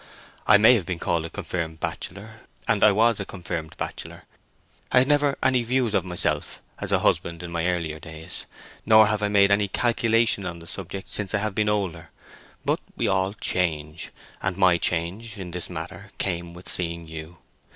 "I may have been called a confirmed bachelor, and I was a confirmed bachelor. I had never any views of myself as a husband in my earlier days, nor have I made any calculation on the subject since I have been older. But we all change, and my change, in this matter, came with seeing you.